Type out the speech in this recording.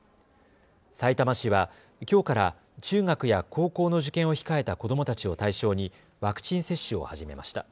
さいたま市は、きょうから中学や高校の受験を控えた子どもたちを対象にワクチン接種を始めました。